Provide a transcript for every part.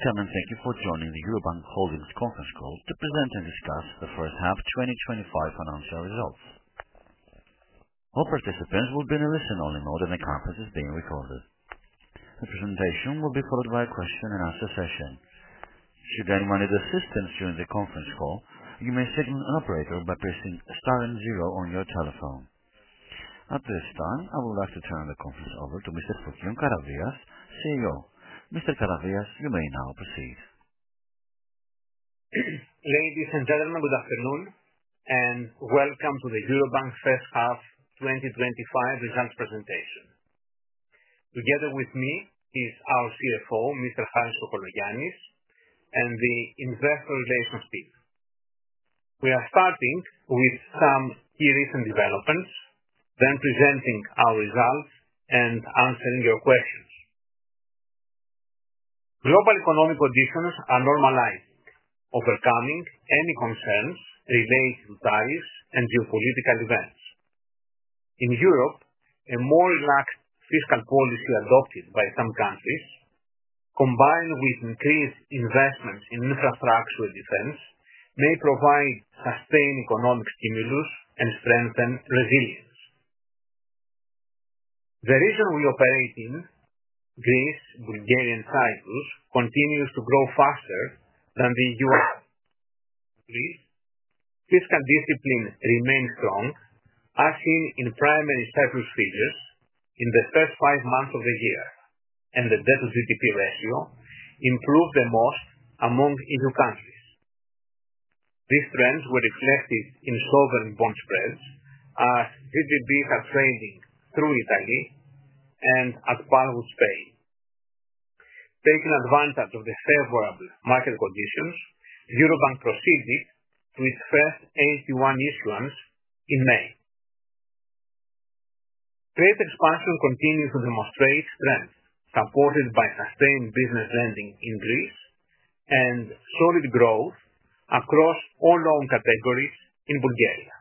Welcome and thank you for joining the Eurobank Holdings conference call to present and discuss the first half 2025 financial results. All participants will be in a listen-only mode, and the conference is being recorded. The presentation will be followed by a question-and-answer session. Should you need assistance during the conference call, you may signal an operator by pressing star and zero on your telephone. At this time, I would like to turn the conference over to Mr. Fokion Karavias, CEO. Mr. Karavias, you may now proceed. Ladies and gentlemen, good afternoon and welcome to the Eurobank first half 2025 results presentation. Together with me is our CFO, Mr. Harris Kokologiannis, and the Investor Relations team. We are starting with some key recent developments, then presenting our results and answering your questions. Global economic conditions are normalizing, overcoming any concerns related to tariffs and geopolitical events. In Europe, a more relaxed fiscal policy adopted by some countries, combined with increased investments in infrastructure defense, may provide sustained economic stimulus and strengthen resilience. The region we operate in, Greece, Bulgaria, and Cyprus, continues to grow faster than the U.S. Greece, fiscal discipline remains strong, as seen in primary surplus figures in the first five months of the year, and the debt-to-GDP ratio improved the most among EU countries. These trends were reflected in sovereign bond spreads, as GGBs are trading through Italy and at par with Spain. Taking advantage of the favorable market conditions, Eurobank proceeded to its first AT1 issuance in May. Trade expansion continues to demonstrate strength, supported by sustained business lending in Greece and solid growth across all loan categories in Bulgaria.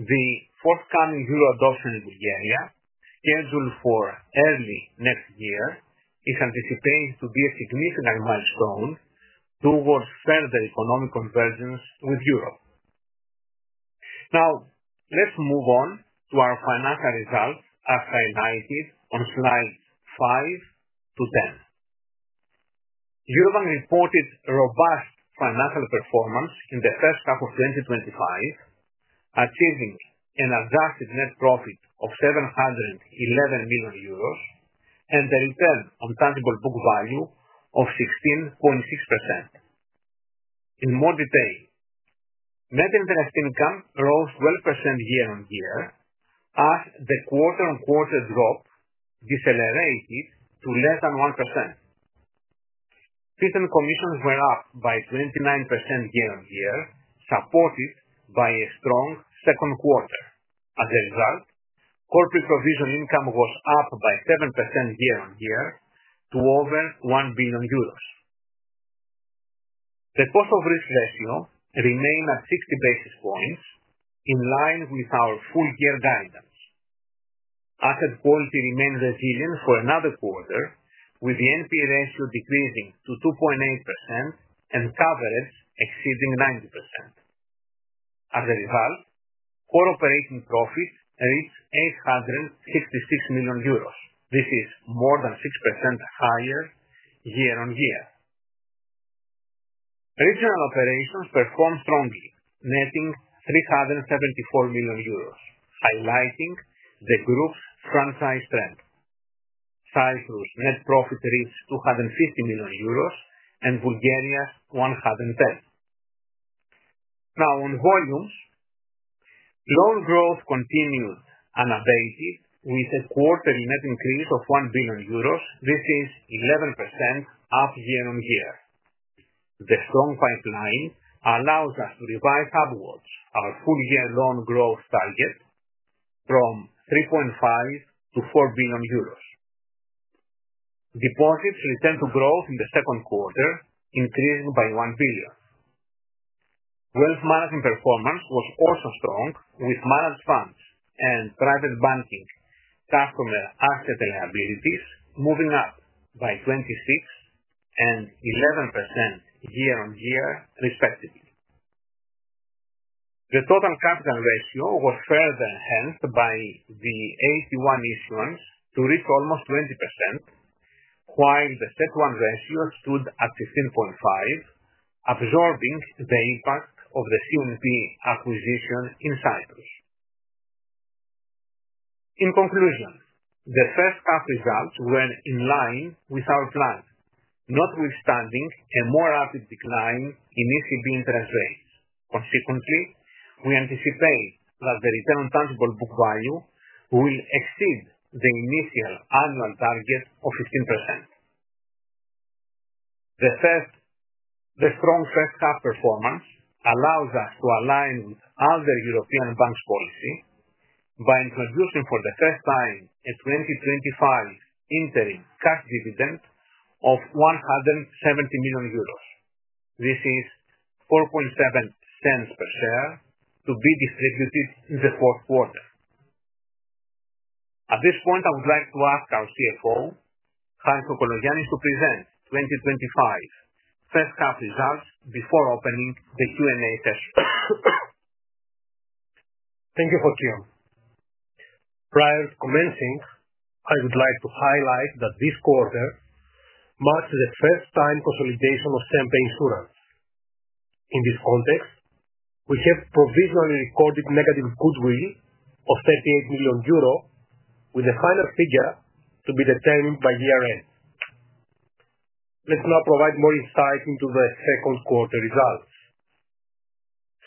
The forthcoming euro adoption in Bulgaria, scheduled for early next year, is anticipated to be a significant milestone towards further economic convergence with Europe. Now, let's move on to our financial results as highlighted on slide 5-10. Eurobank reported robust financial performance in the first half of 2025, achieving an adjusted net profit of 711 million euros and a return on tangible book value of 16.6%. In more detail, net interest income rose 12% year on year, as the quarter-on-quarter drop decelerated to less than 1%. Fiscal commissions were up by 29% year on year, supported by a strong second quarter. As a result, core pre-provisional income was up by 7% year on year, to over 1 billion euros. The cost of risk ratio remained at 60 basis points, in line with our full-year guidance. Asset quality remained resilient for another quarter, with the NP ratio decreasing to 2.8% and coverage exceeding 90%. As a result, core operating profit reached 866 million euros. This is more than 6% higher year on year. Regional operations performed strongly, netting 374 million euros, highlighting the group's franchise trend. Cyprus' net profit reached 250 million euros and Bulgaria's 110 million. Now, on volumes. Loan growth continued unabated, with a quarterly net increase of 1 billion euros. This is 11% up year on year. The strong pipeline allows us to revise upwards our full-year loan growth target, from 3.5 to 4 billion euros. Deposits returned to growth in the second quarter, increasing by 1 billion. Wealth management performance was also strong, with managed funds and private banking customer asset liabilities moving up by 26% and 11% year on year, respectively. The total capital ratio was further enhanced by the AT1 issuance to reach almost 20%, while the CET1 ratio stood at 15.5%, absorbing the impact of the CNP Cyprus acquisition in Cyprus. In conclusion, the first half results were in line with our plan, notwithstanding a more rapid decline in ECB interest rates. Consequently, we anticipate that the return on tangible book value will exceed the initial annual target of 15%. The strong first half performance allows us to align with other European banks' policy by introducing for the first time a 2025 interim cash dividend of 170 million euros. This is 0.047 per share to be distributed in the fourth quarter. At this point, I would like to ask our CFO, Harris Kokologiannis, to present 2025 first half results before opening the Q&A session. Thank you, Fokion. Prior to commencing, I would like to highlight that this quarter marks the first-time consolidation of Stem Insurance. In this context, we have provisionally recorded negative goodwill of 38 million euro, with the final figure to be determined by year-end. Let's now provide more insight into the second quarter results.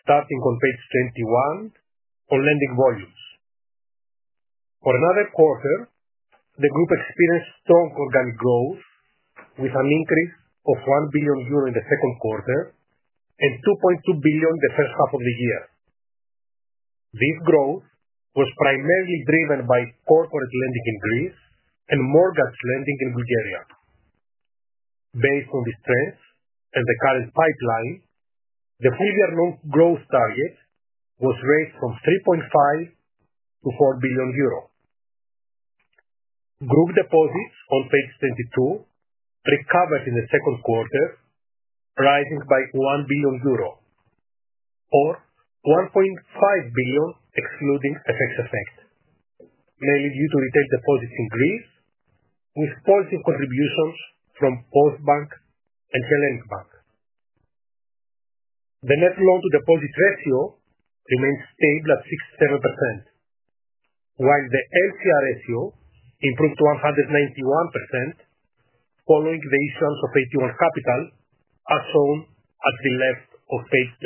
Starting on page 21, on lending volumes, for another quarter, the group experienced strong organic growth, with an increase of 1 billion euro in the second quarter and 2.2 billion in the first half of the year. This growth was primarily driven by corporate lending in Greece and mortgage lending in Bulgaria. Based on these trends and the current pipeline, the full-year loan growth target was raised from 3.5 billion to 4 billion euro. Group deposits on page 22 recovered in the second quarter, rising by 1 billion euro, or 1.5 billion excluding FX effect, mainly due to retail deposits in Greece, with positive contributions from Postbank and Hellenic Bank. The net loan-to-deposit ratio remained stable at 67%, while the LCR ratio improved to 191%. Following the issuance of AT1 capital, as shown at the left of page 23.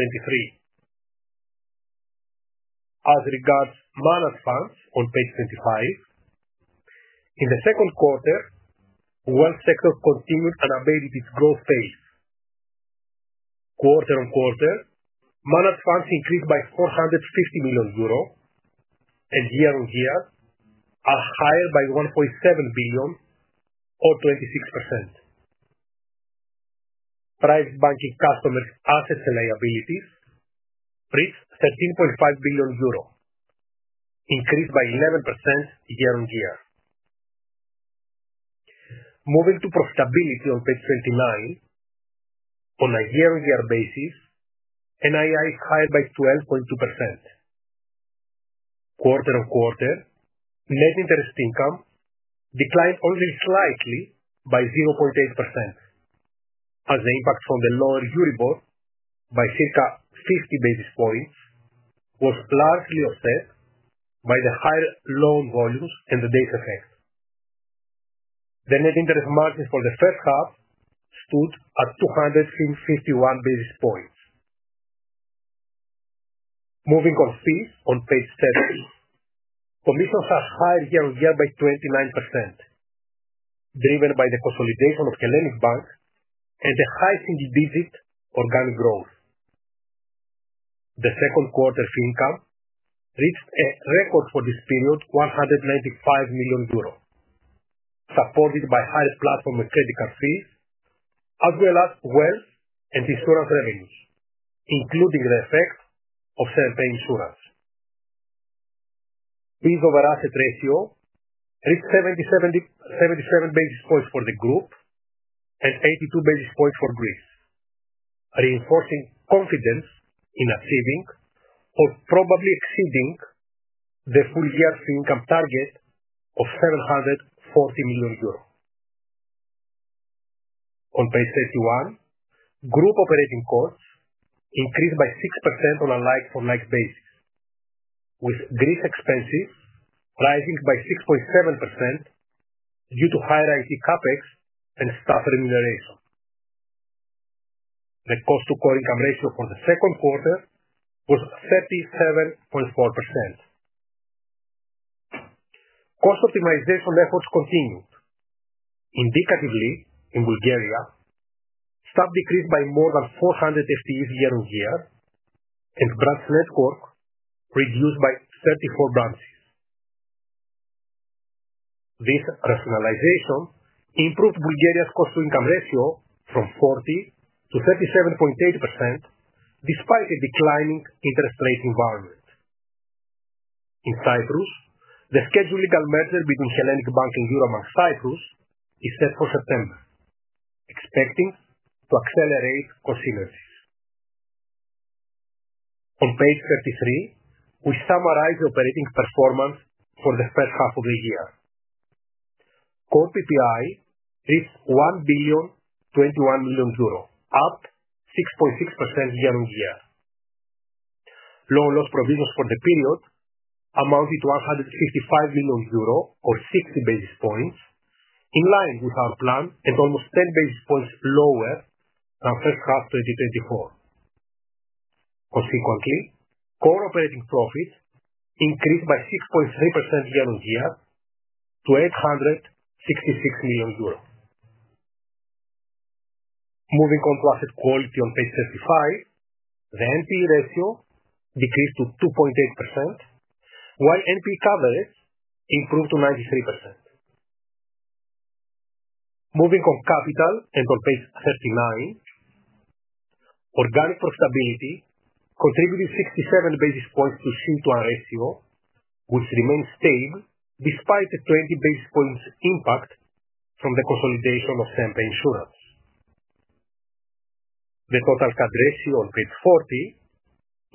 As regards managed funds on page 25, in the second quarter, the wealth sector continued unabated its growth pace. Quarter-on-quarter, managed funds increased by 450 million euro, and year-on-year are higher by 1.7 billion, or 26%. Private banking customers' assets and liabilities reached EUR 13.5 billion, increased by 11% year-on-year. Moving to profitability on page 29, on a year-on-year basis, NII is higher by 12.2%. Quarter-on-quarter, net interest income declined only slightly by 0.8%, as the impact from the lower Euribor by circa 50 basis points was largely offset by the higher loan volumes and the days effect. The net interest margin for the first half stood at 251 basis points. Moving on fees on page 30, commissions are higher year-on-year by 29%, driven by the consolidation of Hellenic Bank and the high single-digit organic growth. The second quarter fee income reached a record for this period, 195 million euros, supported by higher platform and credit card fees, as well as wealth and insurance revenues, including the effect of Stem Insurance. Fees over asset ratio reached 77 basis points for the group and 82 basis points for Greece, reinforcing confidence in achieving or probably exceeding the full-year fee income target of 740 million euros. On page 31, group operating costs increased by 6% on a like-for-like basis. With Greece expenses rising by 6.7% due to higher IT CapEx and staff remuneration, the cost-to-core income ratio for the second quarter was 37.4%. Cost optimization efforts continued. Indicatively, in Bulgaria, staff decreased by more than 400 FTEs year-on-year, and branch network reduced by 34 branches. This rationalization improved Bulgaria's cost-to-income ratio from 40%-37.8%. Despite a declining interest rate environment, in Cyprus, the scheduled legal merger between Hellenic Bank and Eurobank Cyprus is set for September, expecting to accelerate consignments. On page 33, we summarize the operating performance for the first half of the year. Core PPI reached 1.021 billion, up 6.6% year-on-year. Loan loss provisions for the period amounted to 155 million euro, or 60 basis points, in line with our plan and almost 10 basis points lower than first half 2024. Consequently, core operating profit increased by 6.3% year-on-year to EUR 866 million. Moving on to asset quality on page 35, the NP ratio decreased to 2.8%, while NP coverage improved to 93%. Moving on capital and on page 39, organic profitability contributed 67 basis points to CET1 ratio, which remained stable despite the 20 basis points impact from the consolidation of Stem Insurance. The total capital ratio on page 40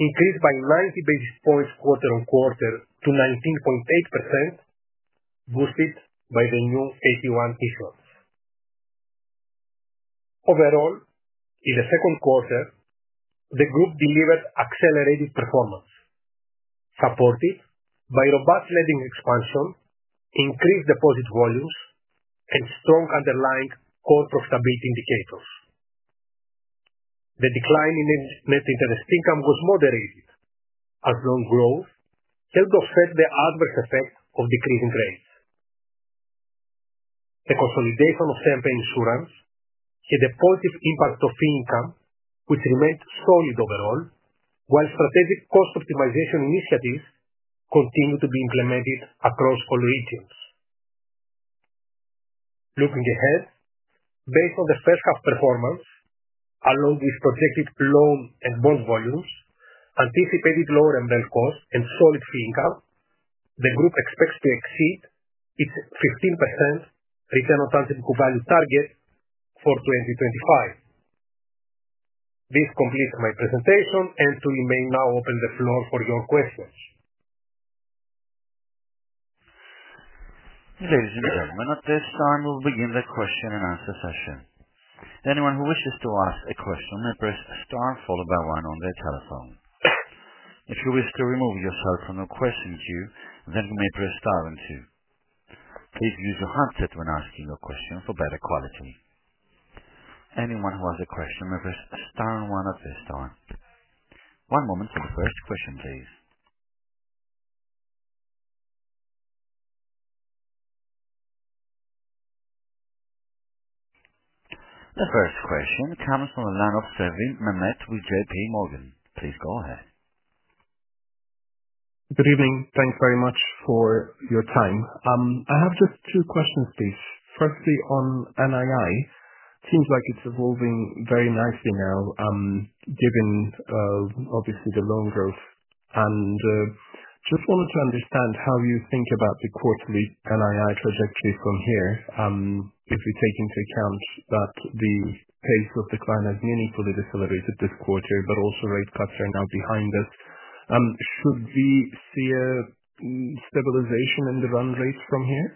increased by 90 basis points quarter-on-quarter to 19.8%, boosted by the new AT1 issuance. Overall, in the second quarter, the group delivered accelerated performance, supported by robust lending expansion, increased deposit volumes, and strong underlying core profitability indicators. The decline in net interest income was moderated, as loan growth helped offset the adverse effect of decreasing rates. The consolidation of Stem Insurance had a positive impact on fee income, which remained solid overall, while strategic cost optimization initiatives continued to be implemented across all regions. Looking ahead, based on the first half performance, along with projected loan and bond volumes, anticipated lower envelope costs, and solid fee income, the group expects to exceed its 15% return on tangible book value target for 2025. This completes my presentation, and we may now open the floor for your questions. Ladies and gentlemen, at this time we will begin the question and answer session. Anyone who wishes to ask a question may press star followed by one on their telephone. If you wish to remove yourself from the question queue, then you may press star on two. Please use your handset when asking your question for better quality. Anyone who has a question may press star on one at this time. One moment for the first question, please. The first question comes from Alessandro Garrone with J.P. Morgan. Please go ahead. Good evening. Thanks very much for your time. I have just two questions, please. Firstly, on NII, it seems like it's evolving very nicely now, given the loan growth. I just wanted to understand how you think about the quarterly NII trajectory from here. If we take into account that the pace of decline has meaningfully decelerated this quarter, but also rate cuts are now behind us, should we see a stabilization in the run rates from here?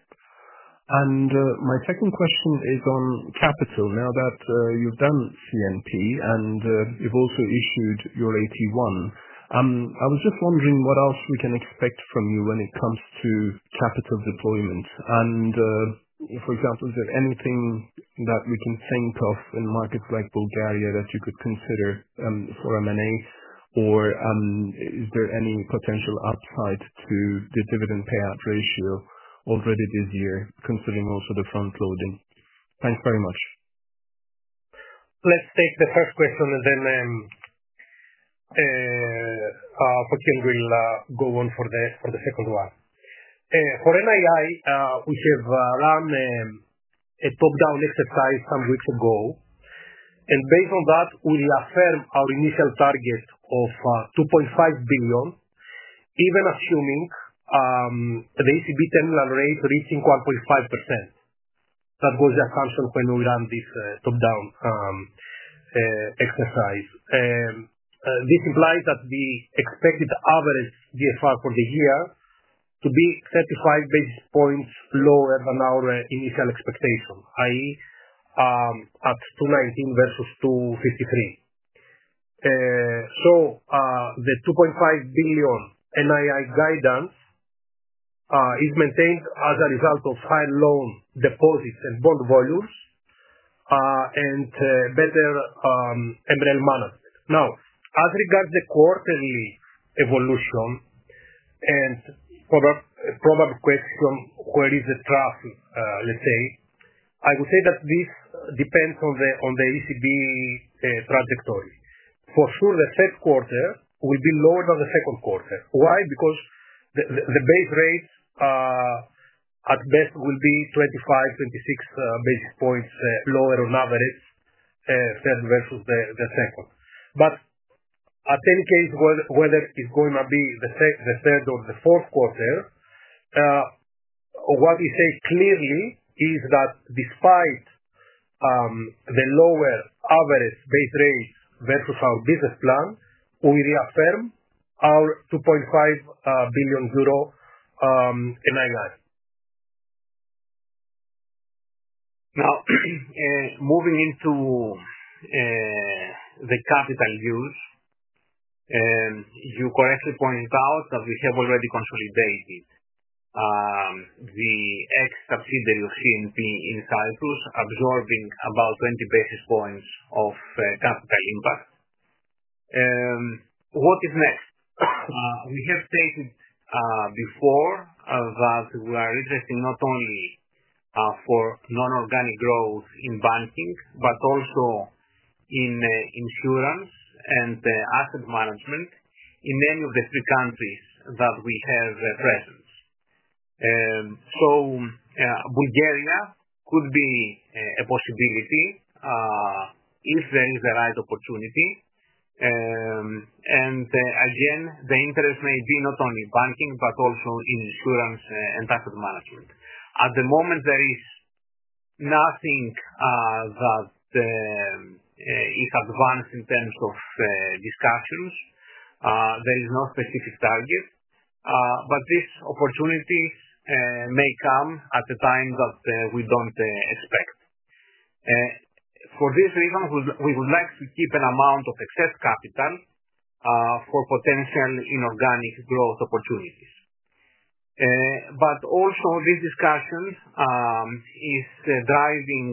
My second question is on capital. Now that you've done CNP Cyprus and you've also issued your AT1, I was just wondering what else we can expect from you when it comes to capital deployment. For example, is there anything that we can think of in markets like Bulgaria that you could consider for M&A? Is there any potential upside to the dividend payout ratio already this year, considering also the front-loading? Thanks very much. Let's take the first question, and then Fokion will go on for the second one. For NII, we have run a top-down exercise some weeks ago. Based on that, we reaffirmed our initial target of 2.5 billion, even assuming the ECB terminal rate reaching 1.5%. That was the assumption when we ran this top-down exercise. This implies that we expected the average GFR for the year to be 35 basis points lower than our initial expectation, i.e., at 219 versus 253. So the 2.5 billion NII guidance is maintained as a result of higher loan, deposits, and bond volumes, and better envelope management. Now, as regards the quarterly evolution and probable question, where is the trough, let's say, I would say that this depends on the ECB trajectory. For sure, the third quarter will be lower than the second quarter. Why? Because the base rate at best will be 25, 26 basis points lower on average, third versus the second. At any case, whether it's going to be the third or the fourth quarter, what we say clearly is that despite the lower average base rate versus our business plan, we reaffirm our EUR 2.5 billion NII. Now, moving into the capital use. You correctly pointed out that we have already consolidated the ex-subsidiary of CNP Cyprus, absorbing about 20 basis points of capital impact. What is next? We have stated before that we are interested not only for non-organic growth in banking, but also in insurance and asset management in any of the three countries that we have presence. Bulgaria could be a possibility if there is the right opportunity. The interest may be not only in banking, but also in insurance and asset management. At the moment, there is nothing that is advanced in terms of discussions. There is no specific target. This opportunity may come at a time that we don't expect. For this reason, we would like to keep an amount of excess capital for potential inorganic growth opportunities. This discussion is driving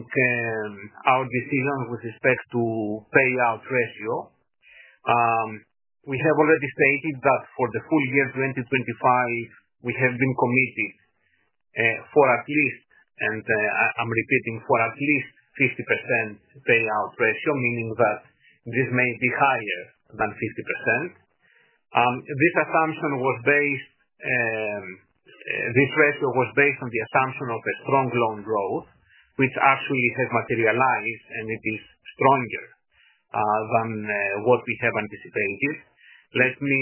our decision with respect to payout ratio. We have already stated that for the full year 2025, we have been committed for at least, and I'm repeating, for at least 50% payout ratio, meaning that this may be higher than 50%. This ratio was based on the assumption of a strong loan growth, which actually has materialized, and it is stronger than what we have anticipated. Let me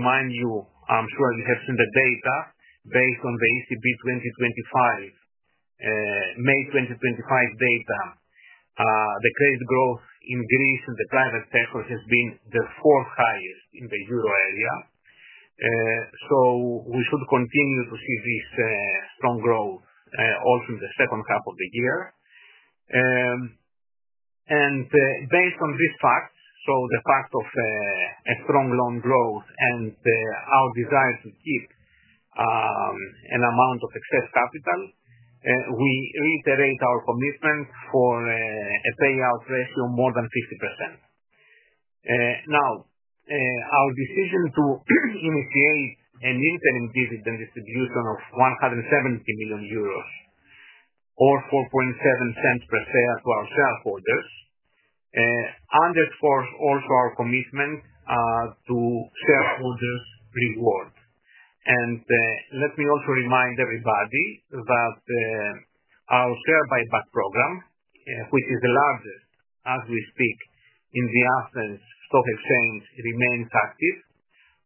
remind you, I'm sure you have seen the data based on the ECB 2025. May 2025 data, the credit growth in Greece and the private sector has been the fourth highest in the euro area. We should continue to see this strong growth also in the second half of the year. Based on these facts, the fact of strong loan growth and our desire to keep an amount of excess capital, we reiterate our commitment for a payout ratio more than 50%. Our decision to initiate an interim dividend distribution of 170 million euros, or 0.047 per share to our shareholders, underscores also our commitment to shareholders' reward. Let me also remind everybody that our share buyback program, which is the largest as we speak in the Athens Stock Exchange, remains active.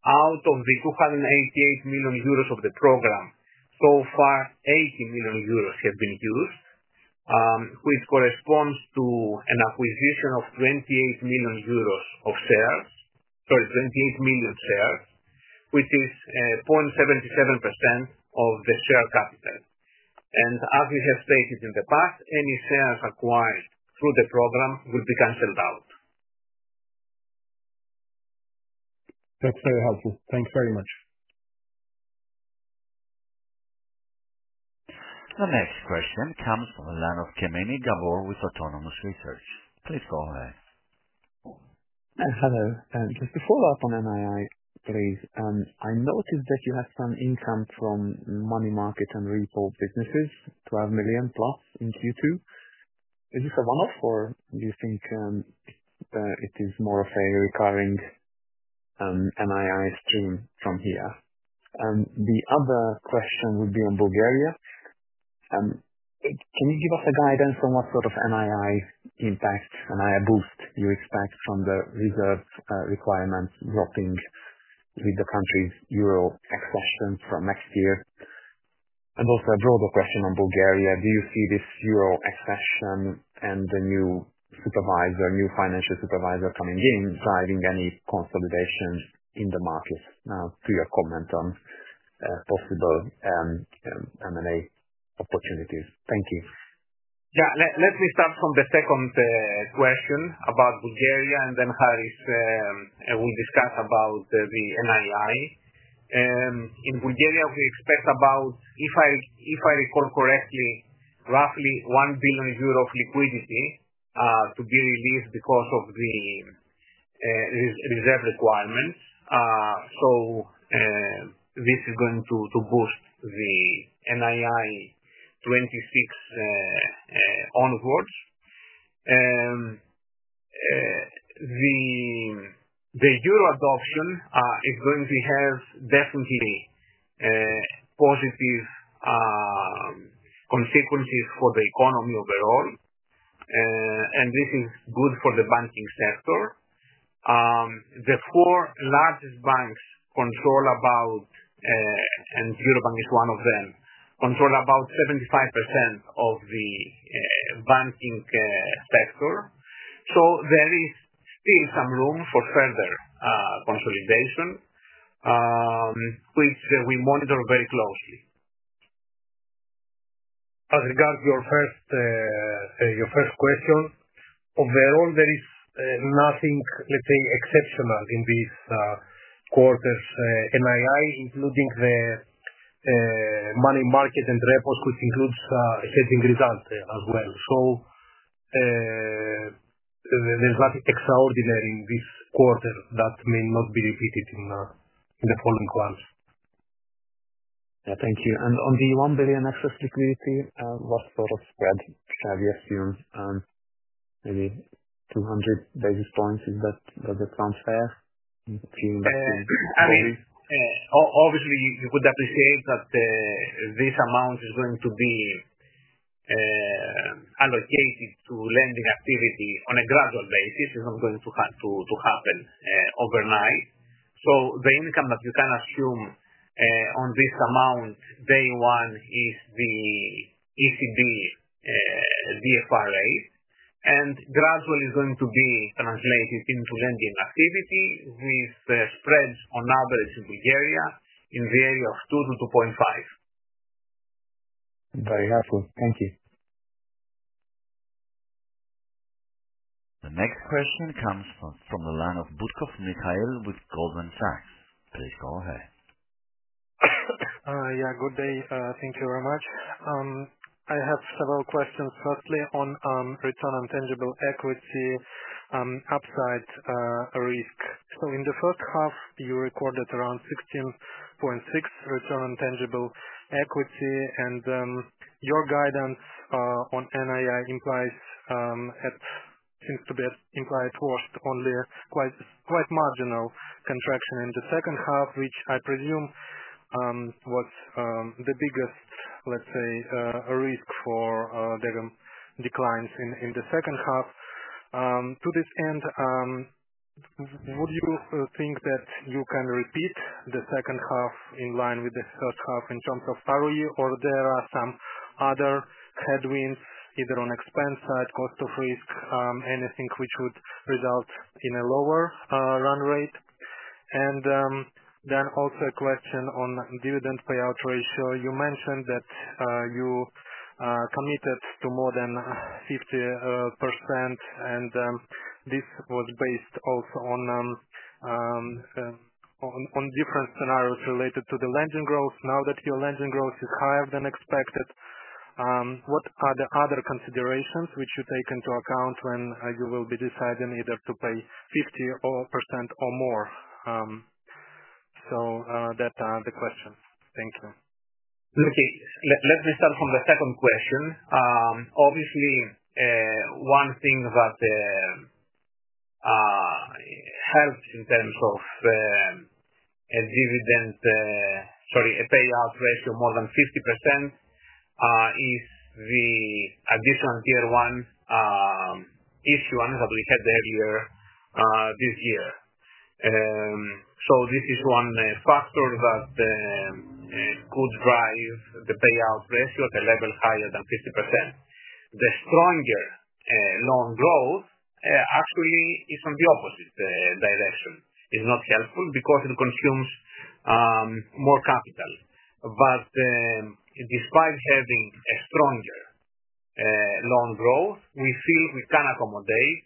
Out of the 288 million euros of the program, so far, 80 million euros have been used, which corresponds to an acquisition of 28 million shares, which is 0.77% of the share capital. As we have stated in the past, any shares acquired through the program will be cancelled out. That's very helpful. Thanks very much. The next question comes from Gábor Kemeny with Autonomous Research. Please go ahead. Hello. Just to follow up on NII, please. I noticed that you had some income from money market and repo businesses, 12 million plus in Q2. Is this a one-off, or do you think it is more of a recurring NII stream from here? The other question would be on Bulgaria. Can you give us a guidance on what sort of NII impact, NII boost you expect from the reserve requirements dropping with the country's euro accession from next year? Also, a broader question on Bulgaria. Do you see this euro accession and the new supervisor, new financial supervisor coming in, driving any consolidation in the market? Now, to your comment on possible M&A opportunities. Thank you. Yeah. Let me start from the second question about Bulgaria, and then Harris will discuss about the NII. In Bulgaria, we expect about, if I recall correctly, roughly 1 billion euro of liquidity to be released because of the reserve requirements. This is going to boost the NII. 2026 onwards, the euro adoption is going to have definitely positive consequences for the economy overall. This is good for the banking sector. The four largest banks, and Eurobank is one of them, control about 75% of the banking sector. There is still some room for further consolidation, which we monitor very closely. As regards your first question, overall, there is nothing, let's say, exceptional in this quarter's NII, including the money market and repos, which includes hedging results as well. There's nothing extraordinary in this quarter that may not be repeated in the following ones. Thank you. On the 1 billion excess liquidity, what sort of spread shall we assume? Maybe 200 basis points? Is that a good transfer? Obviously, you could appreciate that. This amount is going to be allocated to lending activity on a gradual basis. It's not going to happen overnight. The income that you can assume on this amount day one is the ECB DFR rate. Gradual is going to be translated into lending activity with spreads on average in Bulgaria in the area of 2 to 2.5%. Very helpful. Thank you. The next question comes from Michael Bukov with Goldman Sachs. Please go ahead. Good day. Thank you very much. I have several questions. Firstly, on return on tangible equity upside risk. In the first half, you recorded around 16.6% return on tangible equity, and your guidance on NII seems to be implied for a quite marginal contraction in the second half, which I presume was the biggest risk for declines in the second half. To this end, would you think that you can repeat the second half in line with the first half in terms of ROE, or are there some other headwinds, either on the expense side, cost of risk, anything which would result in a lower run rate? Also, a question on dividend payout ratio. You mentioned that you committed to more than 50%, and this was based also on different scenarios related to the lending growth. Now that your lending growth is higher than expected, what are the other considerations which you take into account when you will be deciding either to pay 50% or more? Thank you. Okay. Let me start from the second question. One thing that helps in terms of a dividend, sorry, a payout ratio more than 50% is the Additional Tier 1 issuance that we had earlier this year. This is one factor that could drive the payout ratio at a level higher than 50%. The stronger loan growth actually is in the opposite direction. It's not helpful because it consumes more capital. Despite having a stronger loan growth, we feel we can accommodate,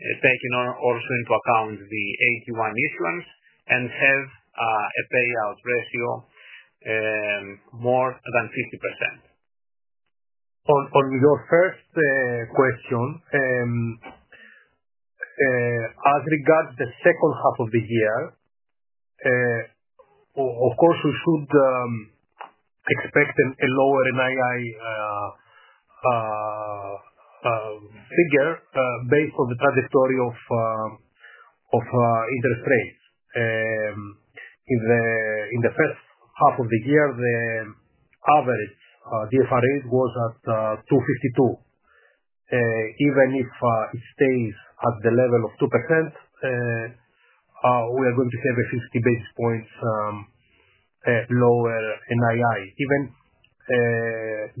taking also into account the AT1 issuance, and have a payout ratio more than 50%. On your first question, as regards the second half of the year, of course, we should expect a lower NII figure based on the trajectory of interest rates. In the first half of the year, the average DFR rate was at 2.52%. Even if it stays at the level of 2%, we are going to have a 50 basis points lower NII. Even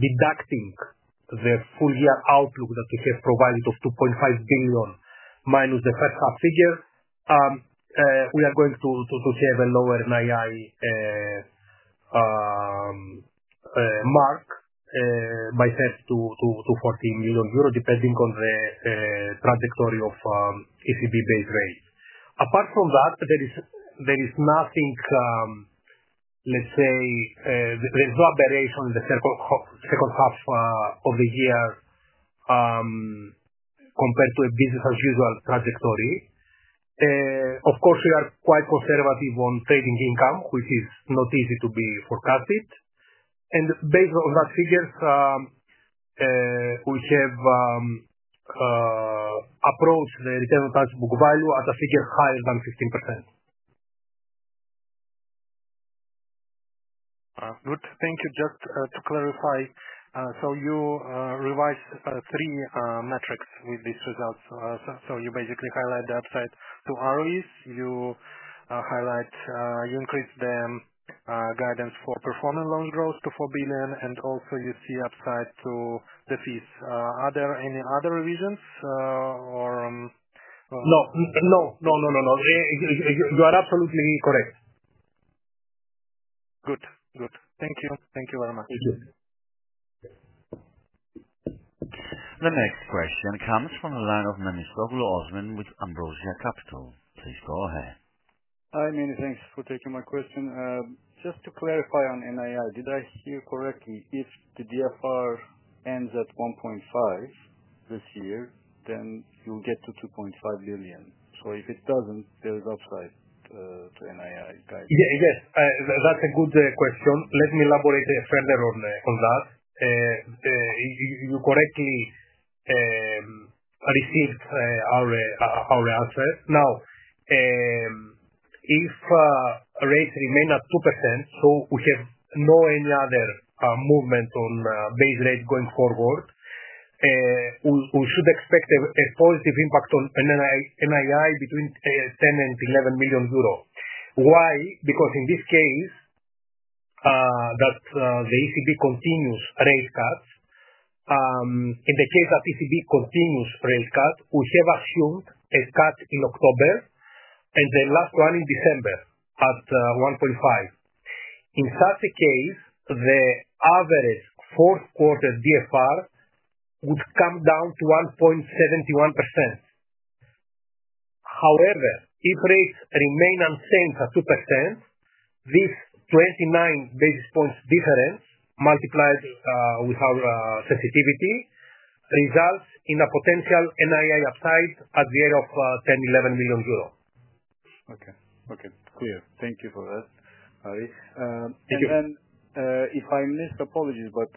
deducting the full year outlook that we have provided of EUR 2.5 billion minus the first half figure, we are going to have a lower NII mark by 240 million euros depending on the trajectory of ECB base rate. Apart from that, there is nothing, let's say, there's no aberration in the second half of the year compared to a business-as-usual trajectory. We are quite conservative on trading income, which is not easy to be forecasted. Based on that figure, we have approached the return on tangible value at a figure higher than 15%. Good. Thank you. Just to clarify, you revised three metrics with these results. You basically highlight the upside to ROEs. You highlight you increase the guidance for performance loan growth to 4 billion, and also you see upside to the fees. Are there any other revisions? No. You are absolutely correct. Good. Thank you. Thank you very much. Thank you. The next question comes from Alessandro Garrone with Ambrosia Capital. Please go ahead. Hi, Many. Thanks for taking my question. Just to clarify on NII, did I hear correctly? If the DFR ends at 1.5% this year, then you'll get to 2.5 billion. If it doesn't, there is upside to NII guidance? Yes. That's a good question. Let me elaborate further on that. You correctly received our answer. Now, if rates remain at 2%, so we have no any other movement on base rate going forward, we should expect a positive impact on NII between 10 million and 11 million euros. Why? Because in this case, if the ECB continues rate cuts, we have assumed a cut in October and the last one in December at 1.5%. In such a case, the average fourth-quarter DFR would come down to 1.71%. However, if rates remain unchanged at 2%, this 29 basis points difference multiplied with our sensitivity results in a potential NII upside at the area of 10 million euros, 11 million euros. Okay. Clear. Thank you for that, Harris. Thank you. If I missed, apologies, but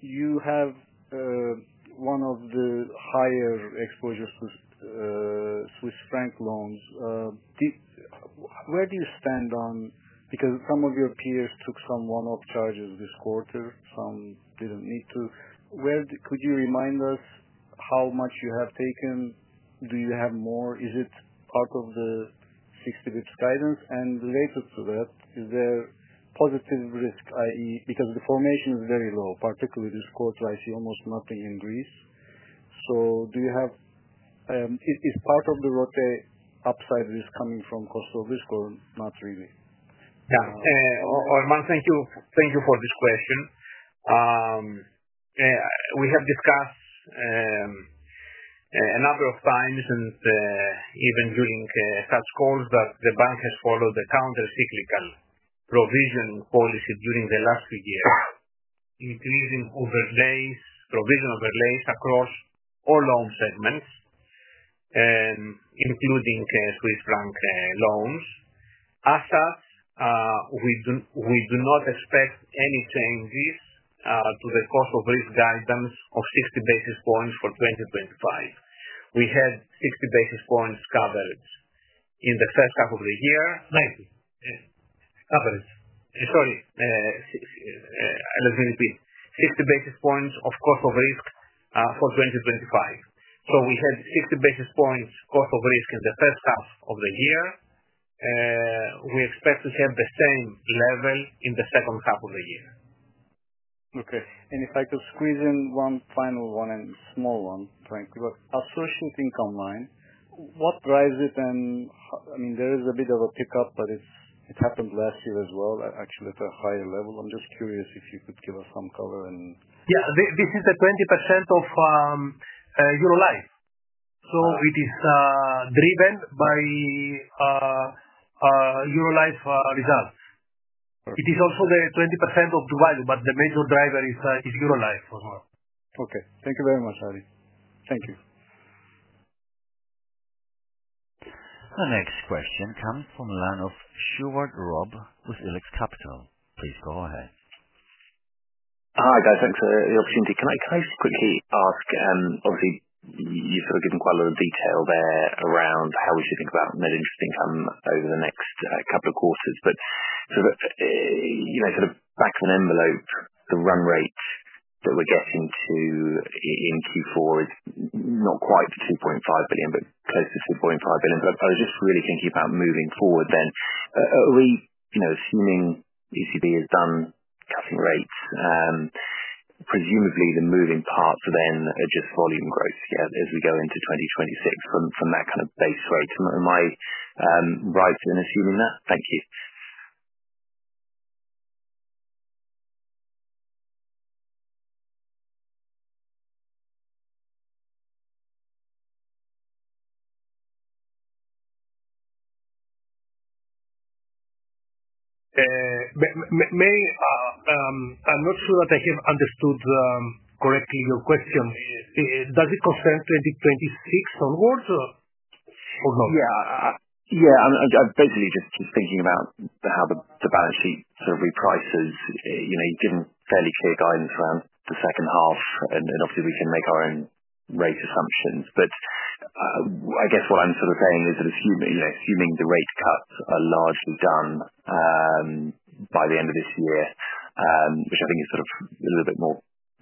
you have one of the higher exposures to Swiss franc loans. Where do you stand on that? Because some of your peers took some one-off charges this quarter, some didn't need to. Could you remind us how much you have taken? Do you have more? Is it part of the 60 bps guidance? Related to that, is there positive risk, i.e., because the formation is very low, particularly this quarter? I see almost nothing in Greece. Do you have, is part of the RoTE upside risk coming from cost of risk or not really? Yeah. Osman, thank you for this question. We have discussed a number of times and even during such calls that the bank has followed the countercyclical provision policy during the last few years, increasing overlays, provision overlays across all loan segments, including Swiss franc loans. As such, we do not expect any changes to the cost of risk guidance of 60 basis points for 2025. We had 60 basis points covered in the first half of the year. Coverage. Sorry. Let me repeat. 60 basis points of cost of risk for 2025. We had 60 basis points cost of risk in the first half of the year. We expect to have the same level in the second half of the year. Okay. If I could squeeze in one final one, a small one, frankly, the associate income line, what drives it? There is a bit of a pickup, it happened last year as well, actually at a higher level. I'm just curious if you could give us some color. Yeah. This is the 20% of Eurolife. It is driven by Eurolife results. It is also the 20% of Dubai, but the major driver is Eurolife as well. Okay. Thank you very much, Harris. Thank you. The next question comes from Alessandro Garrone with Ambrosia Capital. Please go ahead. Hi, guys. Thanks for the opportunity. Can I quickly ask? Obviously, you've given quite a lot of detail there around how we should think about net interest income over the next couple of quarters. The run rate that we're getting to in Q4 is not quite 2.5 billion, but close to 2.5 billion. I was just really thinking about moving forward then. Are we assuming ECB has done cutting rates? Presumably, the moving parts then are just volume growth as we go into 2026 from that kind of base rate. Am I right in assuming that? Thank you. I'm not sure that I have understood correctly your question. Does it concern 2026 onwards or no? Yeah. I'm basically just thinking about how the balance sheet sort of reprices. You've given fairly clear guidance around the second half, and obviously, we can make our own rate assumptions. I guess what I'm sort of saying is that assuming the rate cuts are largely done by the end of this year, which I think is sort of a little bit more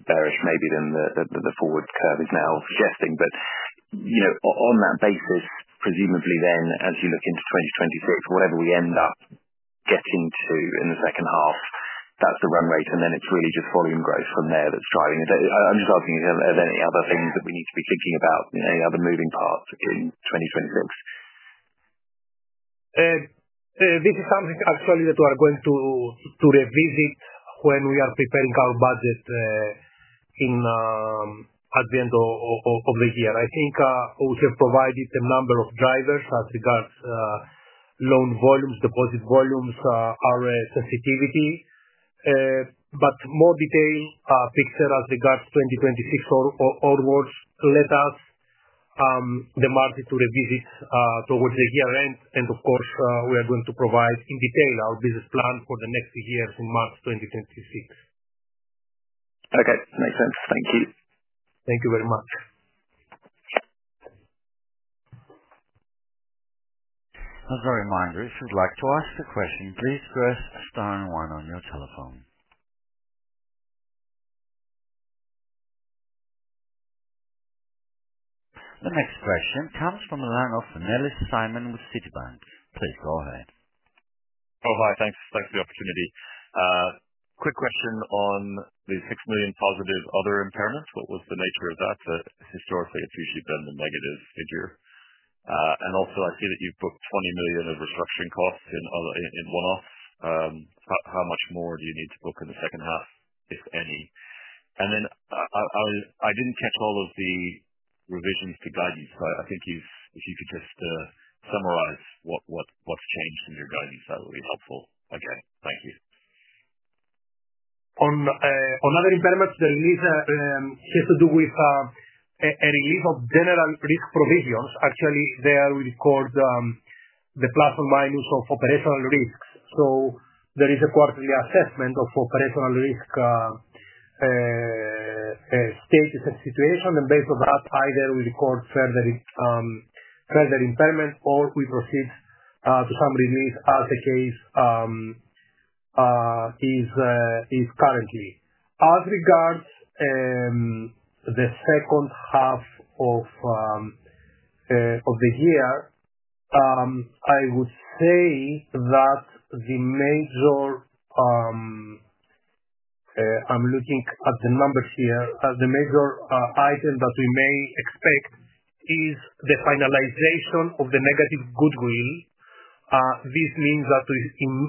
bearish maybe than the forward curve is now suggesting. On that basis, presumably then, as you look into 2026, whatever we end up getting to in the second half, that's the run rate, and then it's really just volume growth from there that's driving it. I'm just asking, are there any other things that we need to be thinking about, any other moving parts in 2026? This is something, actually, that we are going to revisit when we are preparing our budget at the end of the year. I think we have provided a number of drivers as regards loan volumes, deposit volumes, our sensitivity, but a more detailed picture as regards 2026 or onwards, let us demand it to revisit towards the year-end. Of course, we are going to provide in detail our business plan for the next two years in March 2026. Okay, makes sense. Thank you. Thank you very much. As a reminder, if you'd like to ask a question, please press star and one on your telephone. The next question comes from Simon Berg with Citibank. Please go ahead. Oh, hi. Thanks for the opportunity. Quick question on the 6 million positive other impairments. What was the nature of that? Historically, it's usually been the negative figure. I see that you've booked 20 million of restructuring costs in one-offs. How much more do you need to book in the second half, if any? I didn't catch all of the revisions to guidance. If you could just summarize what's changed in your guidance, that would be helpful. Again, thank you. On other impairments, the release has to do with a release of general risk provisions. Actually, there we record the plus or minus of operational risks. There is a quarterly assessment of operational risk status and situation, and based on that, either we record further impairment or we proceed to some release as the case is currently. As regards the second half of the year, I would say that the major, I'm looking at the numbers here, the major item that we may expect is the finalization of the negative goodwill. This means that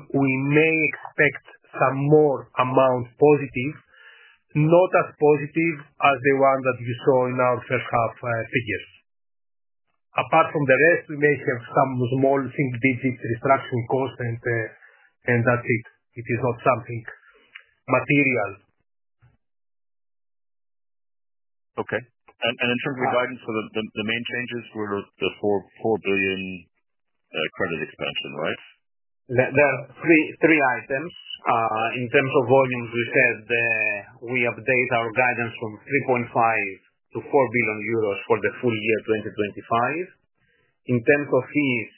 we may expect some more amount positive, not as positive as the one that you saw in our first half figures. Apart from the rest, we may have some small single-digit restructuring cost, and that's it. It is not something material. Okay. In terms of the guidance, the main changes were the 4 billion credit expansion, right? There are three items. In terms of volumes, we said we update our guidance from 3.5 billion to 4 billion euros for the full year 2025. In terms of fees,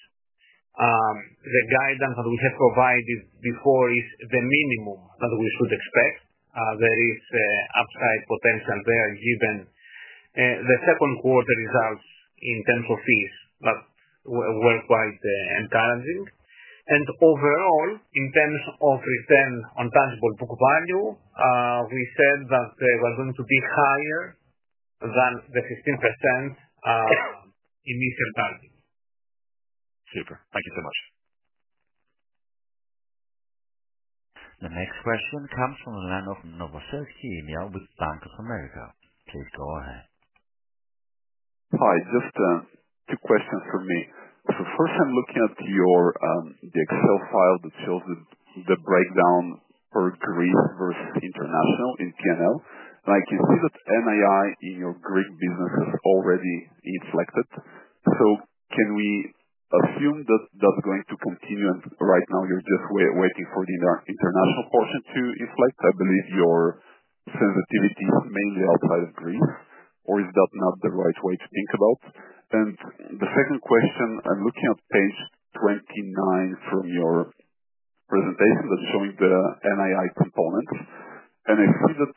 the guidance that we have provided before is the minimum that we should expect. There is upside potential there given the second-quarter results in terms of fees that were quite encouraging. Overall, in terms of return on tangible book value, we said that they were going to be higher than the 15% initial target. Super. Thank you so much. The next question comes from Hans D'Haese with Bank of America. Please go ahead. Hi. Just two questions for me. First, I'm looking at the Excel file that shows the breakdown per Greece versus international in P&L, and I can see that NII in your Greek business has already inflected. Can we assume that that's going to continue? Right now, you're just waiting for the international portion to inflect. I believe your sensitivity is mainly outside of Greece, or is that not the right way to think about it? The second question, I'm looking at page 29 from your presentation that's showing the NII components. I see that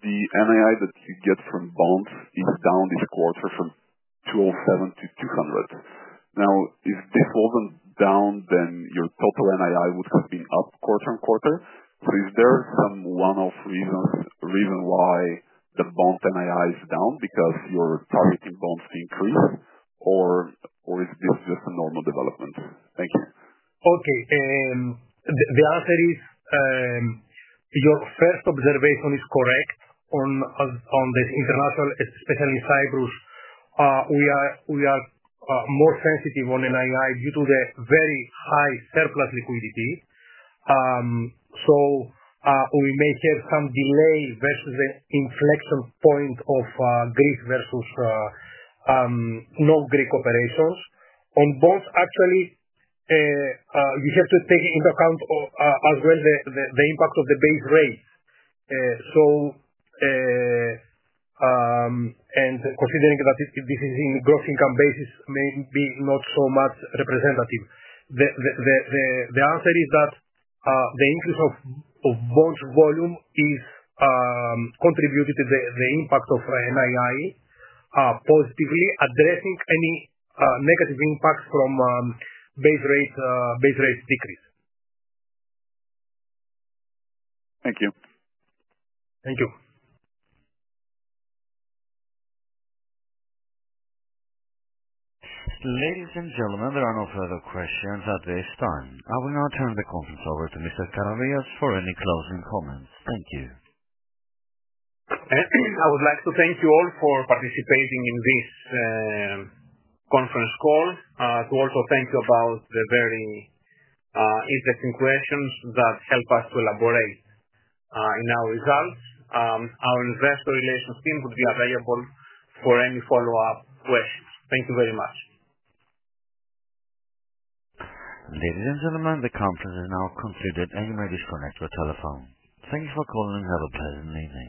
the NII that you get from bonds is down this quarter from 207 to 200. If this wasn't down, then your total NII would have been up quarter on quarter. Is there some one-off reason why the bond NII is down? You're targeting bonds to increase, or is this just a normal development? Thank you. Okay. The answer is your first observation is correct on the international, especially Cyprus. We are more sensitive on NII due to the very high surplus liquidity. We may have some delay versus the inflection point of Greece versus non-Greek operations. On bonds, actually, you have to take into account as well the impact of the base rate. Considering that this is in gross income basis, may be not so much representative. The answer is that the increase of bonds volume is contributed to the impact of NII, positively addressing any negative impacts from base rate decrease. Thank you. Thank you. Ladies and gentlemen, there are no further questions at this time. I will now turn the conference over to Mr. Karavias for any closing comments. Thank you. I would like to thank you all for participating in this conference call. I also thank you for the very interesting questions that help us to elaborate on our results. Our Investor Relations team would be available for any follow-up questions. Thank you very much. Ladies and gentlemen, the conference is now concluded. You may disconnect your telephone. Thank you for calling and have a pleasant evening.